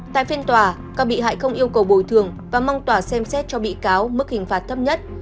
tại phiên tòa các bị hại không yêu cầu bồi thường và mong tòa xem xét cho bị cáo mức hình phạt thấp nhất